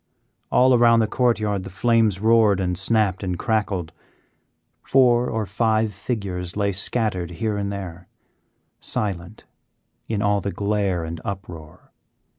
All around the court yard the flames roared and snapped and crackled. Four or five figures lay scattered here and there, silent in all the glare and uproar.